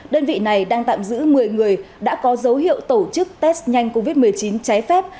đơn vị này đang tạm giữ một mươi người đã có dấu hiệu tổ chức test nhanh covid một mươi chín trái phép